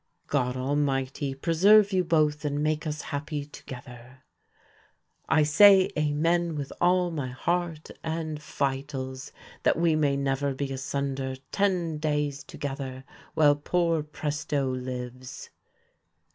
"God Almighty preserve you both and make us happy together." "I say Amen with all my heart and vitals, that we may never be asunder ten days together while poor Presto lives."